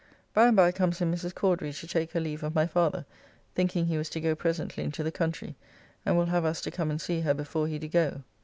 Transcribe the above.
By and by comes in Mrs. Cordery to take her leave of my father, thinking he was to go presently into the country, and will have us to come and see her before he do go.